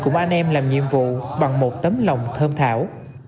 cùng anh em làm nhiệm vụ bằng một tấm lòng thơm thảo